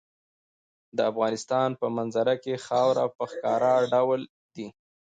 د افغانستان په منظره کې خاوره په ښکاره ډول دي.